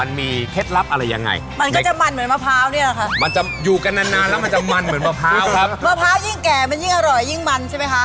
พอแล้วครับวันนี้ออกแล้วจะเป็นน้ำหนักของวุฒิเจ๊นะฮะ